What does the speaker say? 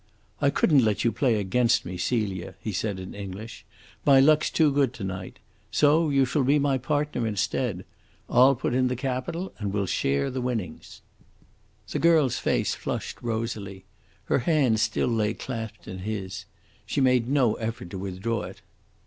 "I couldn't let you play against me, Celia," he said, in English; "my luck's too good to night. So you shall be my partner instead. I'll put in the capital and we'll share the winnings." The girl's face flushed rosily. Her hand still lay clasped in his. She made no effort to withdraw it.